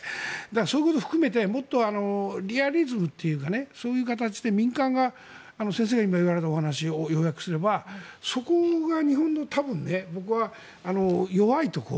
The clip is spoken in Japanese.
そういうことを含めてもっとリアリズムというかそういう形で民間が先生が今、言われたお話を要約すればそこが日本の、多分僕は弱いところ。